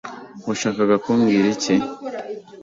Washakaga kumbwira iki?